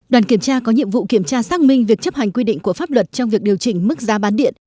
đoàn kiểm tra có nhiệm vụ kiểm tra xác minh việc chấp hành quy định của pháp luật trong việc điều chỉnh mức giá bán điện